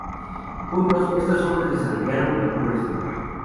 Juntos, estos hombres desarrollaron el piercing.